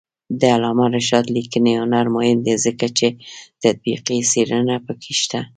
د علامه رشاد لیکنی هنر مهم دی ځکه چې تطبیقي څېړنه پکې شته.